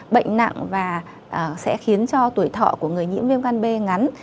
bệnh nặng và sẽ khiến cho tuổi thọ của người nhiễm viêm gan b ngắn